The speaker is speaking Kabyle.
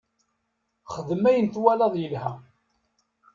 Xdem ayen twalaḍ yelha.